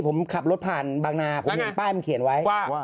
ผมขับรถผ่านบางนาผมเห็นป้ายมันเขียนไว้ว่า